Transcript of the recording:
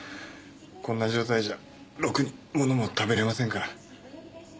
こんな状態じゃロクにものも食べれませんから。